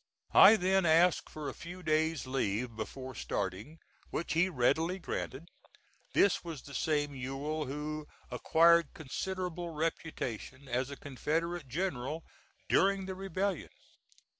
I then asked for a few days' leave before starting, which he readily granted. This was the same Ewell who acquired considerable reputation as a Confederate general during the rebellion.